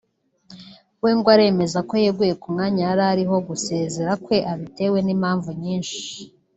we ngo aremeza ko yeguye ku mwanya yari ariho; gusezera kwe agutewe n’impamvu nyinshi